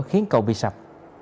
khiến cầu bị sập